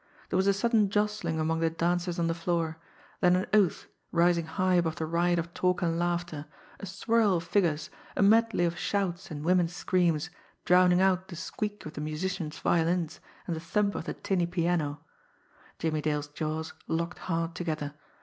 There was a sudden jostling among the dancers on the floor then an oath, rising high above the riot of talk and laughter a swirl of figures a medley of shouts and women's screams, drowning out the squeak of the musicians' violins and the thump of the tinny piano. Jimmie Dale's jaws locked hard together.